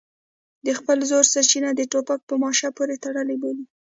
د خپل زور سرچینه د ټوپک په ماشه پورې تړلې بولي.